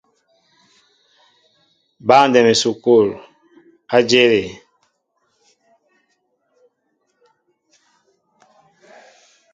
Băndɛm esukul a jȇl yé?